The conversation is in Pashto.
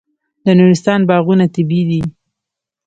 د نورستان باغونه طبیعي دي.